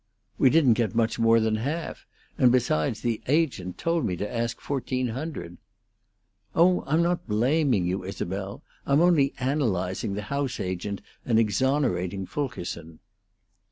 "We didn't get much more than half; and, besides, the agent told me to ask fourteen hundred." "Oh, I'm not blaming you, Isabel. I'm only analyzing the house agent and exonerating Fulkerson."